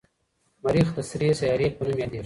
مریخ د سرې سیارې په نوم یادیږي.